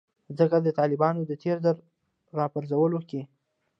ځکه د طالبانو د تیر ځل راپرځولو کې